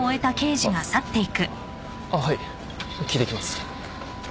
あっはい聞いてきます。